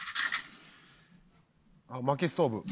あっ薪ストーブ。